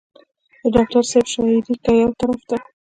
د ډاکټر صېب شاعري کۀ يو طرف ته